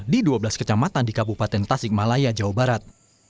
di dua belas kecamatan di kabupaten tasikmalaya jawa barat